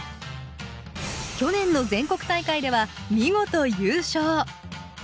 去年の全国大会では見事優勝。